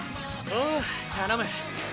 おお頼む。